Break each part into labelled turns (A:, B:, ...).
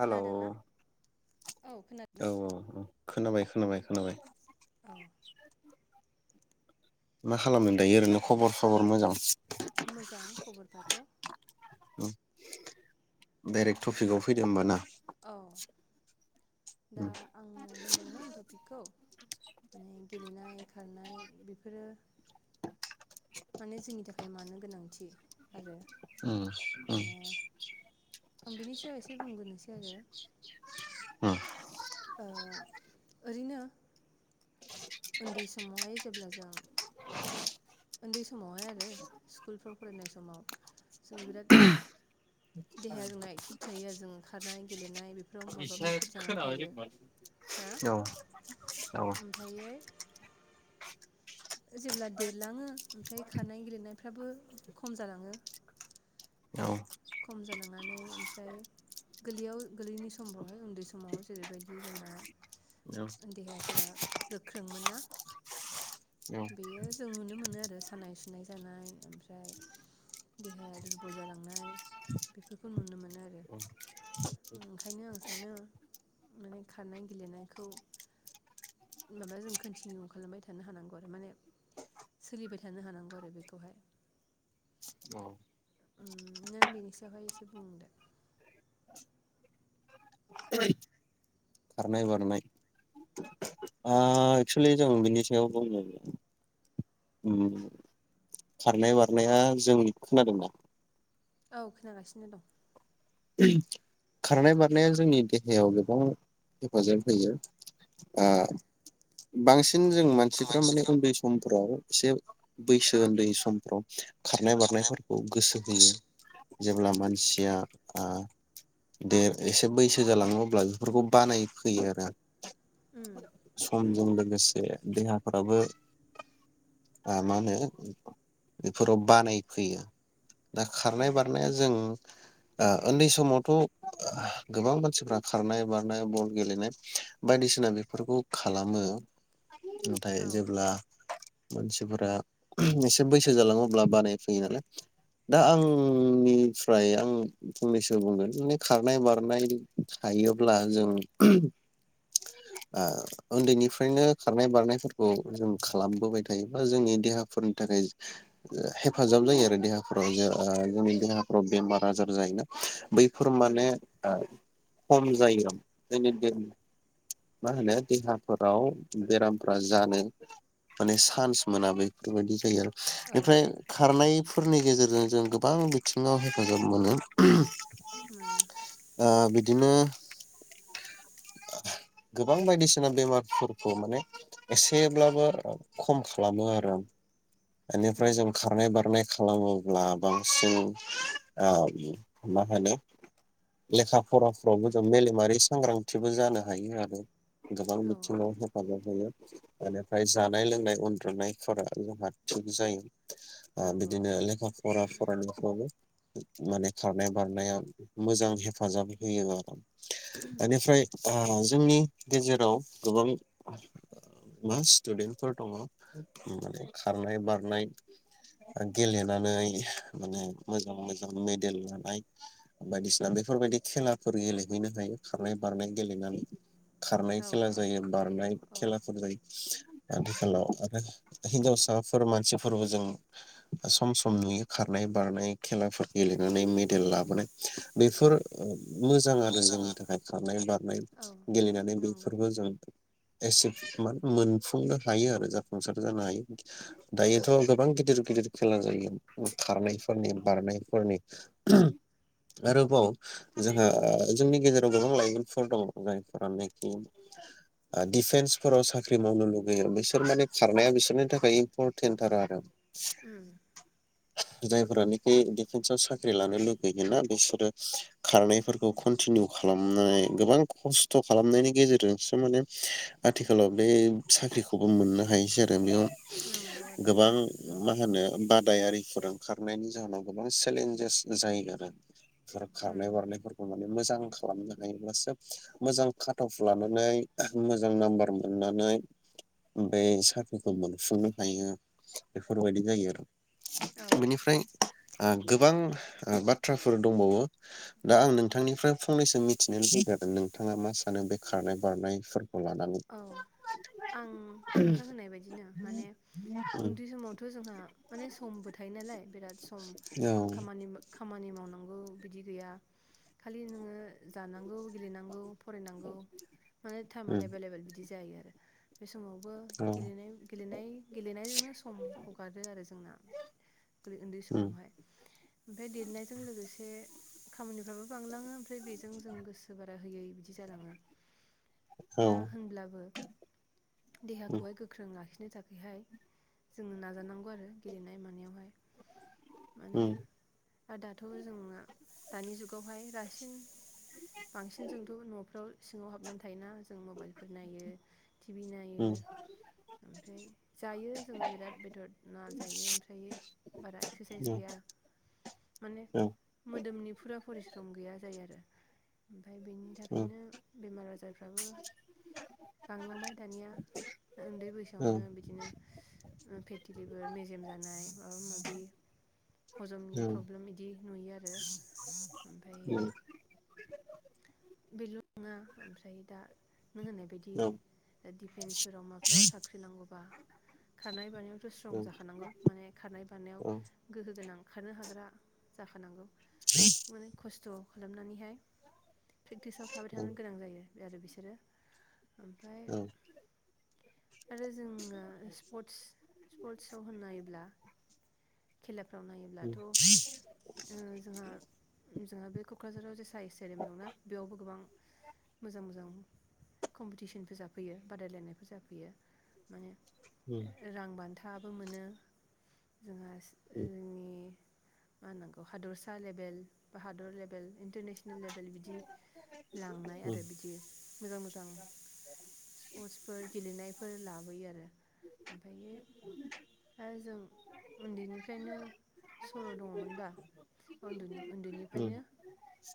A: हेल' औ
B: औ खोनादोंना?
A: औ औ खोनाबाय खोनाबाय खोनाबाय
B: औ
A: मा खालामो दायो ओरैनो खबर सबर मोजां
B: मोजां खबरफ्राथ'
A: डाइरेक्ट टपिकआव फैदो होमबा ना।
B: औ दा
A: उम
B: आङो होनदोंमोन टपिकखौ माने गेलेनाय खारनाय बेफोरो माने जोंनि थाखाय मानो गोनांथि आरो
A: उम उम
B: माने आं बिनि सायाव एसे बुंग्रोनोसै आरो
A: उम
B: ओरैनो उन्दै समावहाय जेब्ला जों उन्दै समावहाय आरो स्कुलफ्राव फरायनाय समाव जों बिराद देहाया जोंना एकटिभ थायो आरो जों खारनाय गेलेनाय बेफोर बेराव माबा मुखुब जानानै थायो ना
A: औ औ
B: ओमफ्रायो जेब्ला देरलाङो ओमफ्राय खारनाय गेलेनायफ्राबो खम जालाङो खम जालांनानै ओमफ्राय गोरलैयाव गोरलैनि समफ्रावहाय उन्दै समाव जेरैबायदि जोंना देहाफोरा गोख्रों मोनना बेयो जों नुनो मोनो आरो सानाय सुनाय जानाय ओमफ्राय देहाया दुरबल जालांनाय बेफोरखौ नुनो मोनो आरो ओंखायनो आं सानो माने खारनाय गेलेनायखौ माबा जों कन्टिनिउ खालामबाय थानो हानांगौ आरो माने सोलिबाय थानो हानांगौ आरो बेखौहाय
A: औ
B: नों बेनि सायावहाय एसे बुंदो
A: औ खारनाय बारनाय
B: औ
A: एक्स'लि जों बिनि सायाव बुंङ खारनाय बारनाया जोंनि खोनादोंना
B: औ खोनागासिनो दं
A: खारनाय बारनाया जोंनि देहायाव गोबां हेफाजाब होयो औ बांसिन बिसिन जों मानसिफ्रा माने उन्दै समफ्राव एसे बैसो उन्दै समफ्राव खारनाय
B: खारनायाव
A: बारनायफोरखौ गोसो होयो जेब्ला मानसिया ओ देर एसे बैसो जालाङोब्ला बेफोरखौ बानाय फैयो आरो
B: उम
A: समजों जों लोगोसे देहाफ्राबो मा होनो बेफोराव बानायफैयो दा
B: औ
A: खारनाय बारनाया जों ओ उन्दै समावथ' गोबां मानसिफ्रा खारनाय बारनाय बल गेलेनाय बायदिसिना बेफोरखौ खालामो नाथाय
B: औ
A: जेब्ला मानसिफोरा एसे बैसो जालाङो अब्ला बानाय फैयो नालाय दा आंनिफ्राय आं फंनैसो बुंगोन माने खारनाय बारनाय थायोब्ला जों उन्दैनिफ्रायनो खारनाय बारनायफोरखौ जों खालामबोबाय थायोब्ला जोंनि देहाफोरनि थाखाय हेफाजाब जायो आरो देहाफोराव जोंनि देहाफ्राव बेमार आजार जायोना बै फोर
B: उम
A: माने खम जायो आरो जोंनि मा होनो देहाफोराव बेरामफ्रा जानो माने चान्स मोना बेफोरबायदि जायो आरो
B: औ
A: बेनिफ्राय खारनाय फोरनि गेजेरजों जों गोबां बिथिङाव हेफाजाब मोनो [unintelligible]
B: मोनो
A: ओ बिदिनो गोबां बायदिसिना बेमारफोरखौ माने एसेब्लाबो खम खालामो आरो आं
B: औ
A: बेनिफ्राय जों खारनाय बारनाय खालामोब्ला बांसिन ओ मा होनो लेखा फराफ्रावबो जों मेलेमारि सांग्रांथिबो जानो हायो आरो गोबां
B: औ औ
A: बिथिङाव हेफाजाब मोनो बेनिफ्राय जानाय लोंनाय उन्दुनायफोरा जोंहा थिग जायो ओ
B: नंगौ औ
A: बिदिनो लेखा फरा फरायनायफ्रावबो माने खारनाय बारनाया मोजां हेफाजाब होयो आरो बेनिफ्राय ओ जोंनि गेजेराव गोबां मा स्टुडेन्टफोर दङ माने खारनाय बारनाय गेलेनानै माने मोजां मोजां मेदेल लानाय बायदिसिना बेफोरबायदि खेलाफोर गेलेहैनो हायो खारनाय बारनाय गेलेनानै खारनाय
B: औ
A: खेला
B: औ
A: जायो
B: नंगौ
A: बारनाय
B: औ
A: खेलाफोर जायो आथिखालाव आरो हिनजावसाफोर मानसिफोरबो जों सम सम नुयो खारनाय बारनाय खेलाफोर गेलेनाय माने मेडेल लाबोनाय बेफोर मोजां आरो जोंनि थाखाय खारनाय बारनाय
B: औ
A: गेलेनानै
B: नंगौ
A: बेफोरबो जों एसे मान मोनफुंनो हायो आरो जाफुंसार जानो हायो
B: औ
A: दायोथ' गोबां गिदिर गिदिर खेला जायो खारनायफोरनि बारनायफोरनि आरोबाव जोंहा जोंनि गेजेराव गोबां लाइमोनफोर दङ जायफोरानोखि ओ डिफेन्सफोराव साख्रि मावनो लुगैयो बिसोर माने खारनाया बिसोरनि थाखाय इम्परटेन्टथार आरो
B: उम
A: [unintelligible] जायफोरानाखि डिपेन्स आव साख्रि साख्रि लानो लुगैयोना बिसोरो खारनायफोरखौ कन्टिनिउ खालामनानै गोबां खस्थ' खालामनायनि गेजेरजोंसो माने आथिखालाव बे साख्रिखौबो मोननो हायोसै आरो बेयाव
B: नंगौ आरो
A: गोबां
B: बेथ' उम
A: मा होनो बादायारि फोर ओंखारनायनि जाहोनाव गोबां चेलेन जायो दाना सोर
B: उम
A: खारार बारनाय फोरखौ ना मोजां खालामनो हायोब्ला सोब मोजां खाटपखौ लानानै मोजां नाम्बार मोननानै बे साख्रिखौ मोनफुंनो हायो बेफोरबायदि जायो आरो
B: औ
A: बेनिफ्राय ओ गोबां ओ बाथ्राफोर दंबावो दा आं नोंथांनिफ्राय फंनैसो मिथिनो लुबैदों आरो नोंथाङा मा सानो बे खारनाय बारनाय फोर
B: औ आं नोंथां होननाय बायदिनो माने
A: औ
B: उन्दै समावथ' जोंहा माने समबो थायो नालाय बिराद सम
A: औ
B: खामानि खामानि माव मावांगौ बिदि गैया खालि नोङो जानांगौ गेलेनांगौ फरायनांगौ माने टाइमाने बिदि जायो आरो बे समावबो
A: औ
B: गेलनाय गेलेनाय गेलेनायजोंनो सम हगारो आरो जोंना आरै ओन्दै समावहाय ओमफाय देरनायजों लोगोसे खामानिफ्राबो बांलाङो। फ्राय बेजों जों गोसो बारा होयै बिदि जालाङो
A: औ
B: दा होनब्लाबो देहाखौहाय गोख्रों लाखि नि थाखायहाय जोङो नाजानांगौ आरो गेलेनाय मानायावहाय माने आरो दाथ' जोंना दानि जुगावहाय रासिन बांसिन जोंथ' न'फ्राव सिङाव हाबनानै थायोना। जों मबाइलफोर नायो टिभि
A: औ
B: नायो ओमफ्राय जायो जोङो बिराद बेदर ना जायो ओमफ्राय बारा एक्सारसाइस गैया माने
A: औ
B: मोदोमनि फुरा परिस्रम गैया जायो आरो ओमफाय बेनि
A: औ
B: थाखायनो बेमार आजारफ्राबो लांलांबाय दानिया ओन्दै बैसोआवनो बिदिनो उम फेथिलिबोर मेजेम जानाय माबा माबि हजमनि प्रब्लेम इदि नुयो आरो
A: औ
B: बेलुं नङा ओमफ्राय दा नों होननाय बायदि दिडिफेन्सफोराव माफोराव साख्रि नांगौबा खारनाय बानायावथ' स्ट्रं जाखानांगौ माने खारनाय बानायाव गोहोगोनां खारनो हाग्रा जाखानांगौ मोने खस्थ' खालामनानैहाय प्रेकटिसाव थाबाय थानो गोनां जायो। आरो बिसोरो ओम
A: औ
B: आरो जोङो स्पर्टस स्पर्टसआव होननायोब्ला खेला फ्राव नायोब्लाथ' ओ
A: बेफोरबायदिनो
B: जोंहा जोंहा बे कक्राझाराव जे साइ स्टेडिय दंना। बेयावबो गोबां मोजां मोजां कमपिटिसनफोर जाफैयो बादायलायनायफोर जाफैयो माने रां बान्था नाबो मोनो जोंहा जोंनि मा होननांगौ हादरसा लेभेल बा हादर लेभेल इन्टारनेसनेल लेभेल बिदि लांनाय आरो बिदि मोजां मोजां स्पर्टसफोर गेलेनायफोर लाबोयो आरो ओमफ्रायो आरो जों उन्दैनिफ्रायनो सर' दङमोनबा उनदुनि
A: उम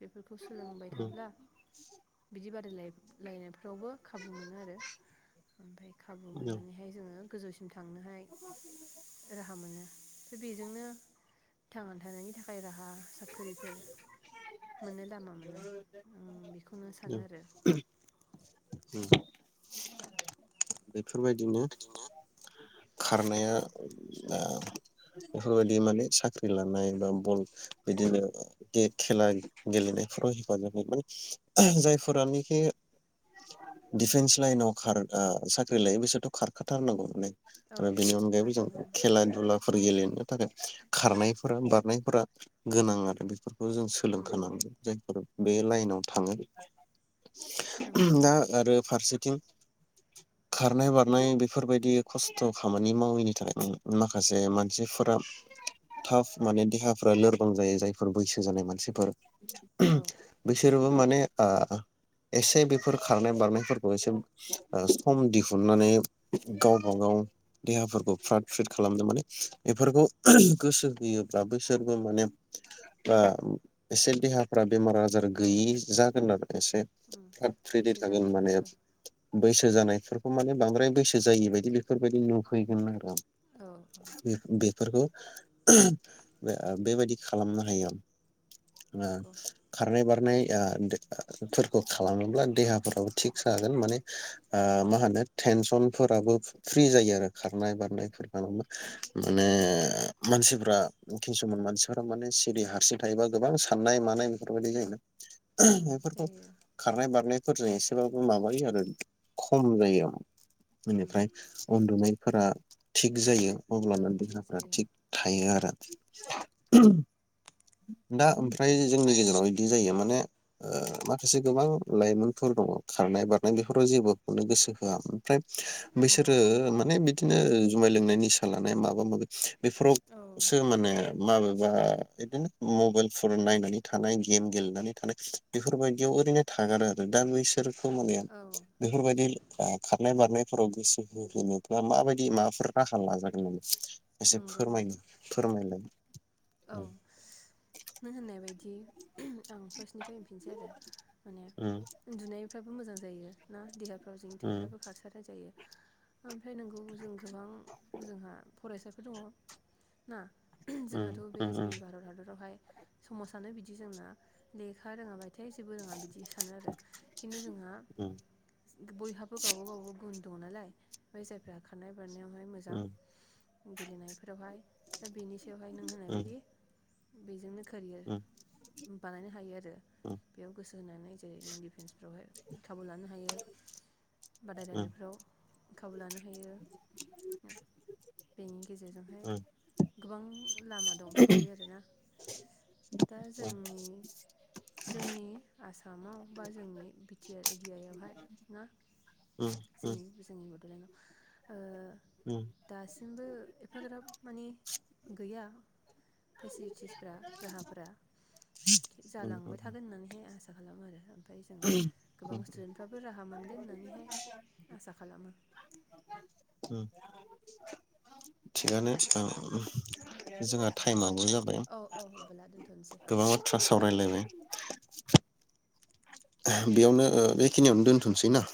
B: बेफोरखौ सोलोंबाय थाब्ला बिदि बादायलायलायनायफ्रावबो खाबु मोनो आरो ओमफ्राय खाबु मोननानैहाय जोङो गोजौसि थांनोहाय राहा मोनो बेजोंनो थांना थानायनि थाखाय राहा साख्रिफोर मोनो लामा मोनो बेखौनो सानो आरो
A: ओमफ्राय बेफोरबायदिनो खारनाया
B: औ
A: बेफोरबायदि माने साख्रि लानाय बा बल बिदिनो खेला गेलेनायफोराव हेफाजाब होगोन माने जायफोरानोखि डिफेन्स लाइनावार साख्रि लायो बिसोरथ' खारखाथारनांगौ माने
B: औ
A: आरो
B: औ
A: बेनि अनगायैबो जों
B: खारनांगौ
A: खेला दुलाफोर गेलेनो थाखाय खारनायफोरा बारनायफोरा गोनां आरो दा बेफोरखौ जों
B: उम
A: सोलोंखानांगोन जायफोर बे लाइनाव थाङो
B: नंगौ
A: दा आरो फारसेथिं खारनाय बारनाय बेफोरबायदि खस्थ' थ' खामानि मावैनि थाखाय माखासे मानसिफोरा थाफ माने देहाफोरा लोरबां जायो जायफोर बैसो जानाय मानसिफोर
B: औ
A: बिसोरबो माने एसे बेफोर खारनाय बारनायफोरखौ एसे सम दिहुननानै गावबागाव देहाफोरखौ फ्राद फ्रिद खालामदों माने एफोरखौ गोसो होयोब्ला बसोरबो माने एसे देहाफ्रा बेमार आजार
B: औ
A: गैयि जागोन आरो एसे
B: उम
A: फ्राट फ्रिदै
B: बैसो
A: थागोन माने
B: जानायफोराबो
A: बैसो जानायफोरखौ मान बांद्राय बैसो जायि बायदि बायदि बेफोर बेफोरबायदि नुफैगोन आरो
B: औ औ
A: बे बेफोरखौ बे बेबायदि खालामनो हायो आं
B: नंगौ
A: खारनाय बारनाय नाय फोरफोरखौ खालामोब्ला देहाफोराबो थिग जागोन माने आ मा होनो टेनसनफोराबो फ्रि जायो आरो खारनाय बारनायफोर खालामा माने मानसिफ्रा किसुमान मानसिफोरा माने सिरि हारसिं थायोबा गोबां साननाय मानाय बेफोरबायदि जायोना
B: उम
A: बेफोरखौ
B: जायो
A: खारनाय बारनाय फोरजों एसेबाबो माबायो आरो खम जायो
B: उम
A: बेनिफ्राय उन्दुनायफोरा थिग जायो
B: औ
A: मावब्लानानै
B: थिग
A: देहाफ्रा
B: जायो।
A: थिग थायो आरो ना। दा ओमफ्राय जोंनि गेजेराव बिदि जायो माने ओ माखासे गोबां लाइमोनफोर दङ खारनाय बारनाय बेफोराव जेबोनो गोसो होआ ओमफ्राय
B: उम
A: बैसोरो माने बिदिनो जुमाय लोंनाय निसा लानाय माबा माबि
B: औ
A: बेफोरावसो माने माबेबा बिदिनो मबाइलफोर नायनानै थानाय गेम गेलेनानै थानाय बेफोरबायदियाव ओरैनो थागारो आरो दा बैसोर फोर माने
B: औ
A: बेफोरबायदि खारनाय बारनाय फोराव गोसो होनोबा माबायदि माबाफोर राहा लाजागोन नामा? एसे
B: नंगौ नंगौ
A: फोरमायोनो फोरमायलाय
B: औ
A: उम
B: नों होननाय बायदि आं फार्स्टनिफ्राय होनफिनसै आरो माने
A: उम
B: उन्दुनायफ्राबो मोजां जायो ना देहाफ्राव जोंनि
A: उम
B: थैफ्राबो खारसारनाय जायो ओमफ्राय नोंगौ जों गोबां जोंहा फरायसाफोर दङ ना
A: ओ
B: जोंहाथ' बे जोंनि भारत हादर हाय समाजानो बिदि जोंना लेखा रोङाबाय [unintelligible] फिथाय जेबो रोङा बिदि सानो आरो खिन्थु जोंहा
A: उम
B: बयहाबो गावबागावाव गुन दङ नालाय। ओमफाय जायफोरा खारनाय बारनायावहाय मोजां गेलेनायफोरावहाय दा बेनि सायावहाय नों होनाय बायदि
A: थिगानो
B: बेजोंनो केरियार बानायनो हायो आरो बेयाव गोसो होनानै जेरै नों दिडिफेन्सफ्रावहाय खाबु लानो हायो बादायलायनायफ्राव खाबु लानो बेनि गेजेरजोंहाय गोबां लामा दं जायो आरोना दा जोंनि जोंनि आसामाव बा जोंनि बि टि आर एरियायावहाय ना जोंनि जोंनि बड'लेण्डआव ओ दासिमबो एफाग्राब माने गैया फेसिलिटिसफ्रा राहाफ्रा जालांबाय थागोन होननानैहाय आसा खालामो आरो ओमफ्राय जों गोबां स्टुदेन्टफ्राबो राहा मोनगोन होननानैहाय आसा खालामो।
A: थिगानो ओ जोंहा टाइमाव
B: टाइम
A: जाबाय
B: औ औ होमबोला दोनथ'नोसै
A: गोबां बाथ्रा सावरायलायबाय बेयावनो ओ बेखिनियावनो दोनथ'सै ना?